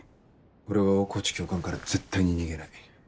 俺は大河内教官から絶対に逃げない。